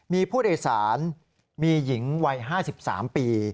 มีผู้โดยสารมีหญิงวัย๕๓ปี